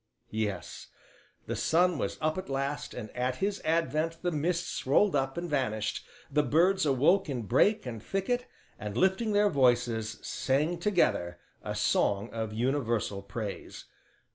Yes the sun was up at last, and at his advent the mists rolled up and vanished, the birds awoke in brake and thicket and, lifting their voices, sang together, a song of universal praise.